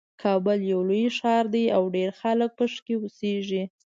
کابل یو لوی ښار ده او ډېر خلک پکې اوسیږي